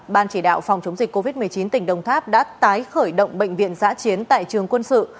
ban chỉ đạo phòng chống dịch covid một mươi chín tỉnh đồng tháp đã tái khởi động bệnh viện giã chiến tại trường quân sự